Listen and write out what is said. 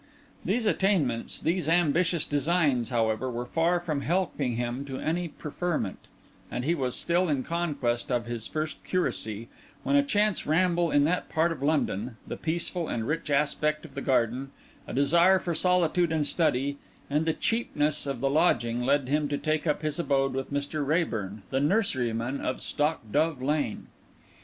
These attainments, these ambitious designs, however, were far from helping him to any preferment; and he was still in quest of his first curacy when a chance ramble in that part of London, the peaceful and rich aspect of the garden, a desire for solitude and study, and the cheapness of the lodging, led him to take up his abode with Mr. Raeburn, the nurseryman of Stockdove Lane.